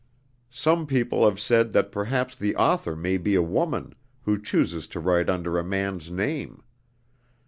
Some people have said that perhaps the author may be a woman, who chooses to write under a man's name.